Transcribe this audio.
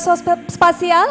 baik badan informasi geospasial